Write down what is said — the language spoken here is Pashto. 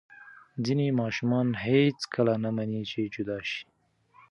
ځینې ماشومان هېڅکله نه مني چې جدا شي.